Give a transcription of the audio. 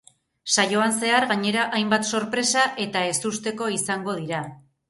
Saioan zehar, gainera, hainbat sorpresa eta ezusteko izango dira.